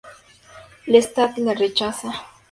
Lestat le rechaza.